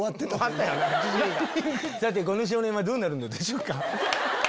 「さてこの青年はどうなるのでしょうか」。